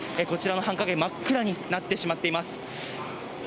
こちらの繁華街、真っ暗になってしまっています。